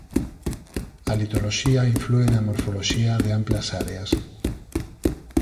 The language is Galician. A litoloxía inflúe na morfoloxía de amplas áreas.